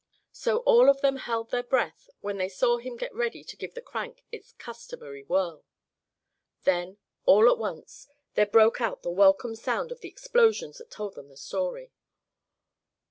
So all of them held their breath when they saw him get ready to give the crank its customary whirl. Then all at once there broke out the welcome sound of the explosions that told them the story.